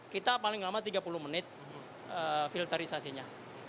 kita paling lama tiga puluh menit filterisasinya